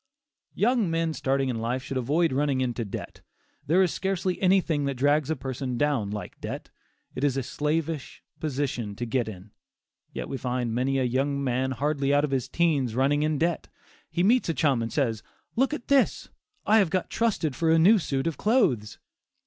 Young men starting in life should avoid running into debt. There is scarcely anything that drags a person down like debt. It is a slavish position to get in, yet we find many a young man hardly out of his "teens" running in debt. He meets a chum and says, "Look at this; I have got trusted for a new suit of clothes."